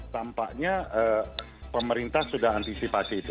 tampaknya pemerintah sudah antisipasi itu